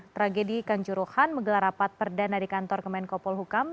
tragedi kanjuruhan menggelar rapat perdana di kantor kemenkopol hukam